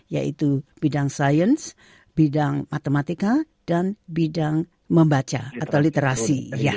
yaitu bidang sains bidang matematika dan bidang membaca atau literasi